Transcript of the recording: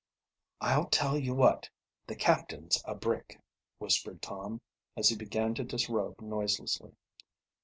"I'll tell you what, the captain's a brick!" whispered Tom, as he began to disrobe noiselessly.